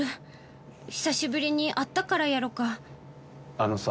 あのさ